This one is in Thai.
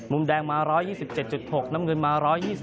มุมแดงมา๑๒๗๖น้ำเงินมา๑๒๐